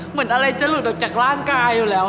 เหมือนอะไรจะหลุดออกจากร่างกายอยู่แล้ว